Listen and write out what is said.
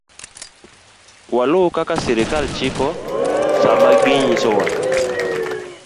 Waluw kaka sirkal chiko sama ginyisowa ni